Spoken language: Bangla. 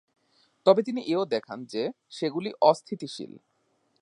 তবে তিনি এও দেখান যে সেগুলি অস্থিতিশীল।